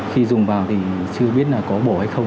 khi dùng vào thì chưa biết là có bổ hay không